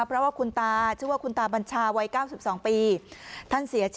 เพราะว่าคุณตาชื่อว่าคุณตาบัญชาวัย๙๒ปี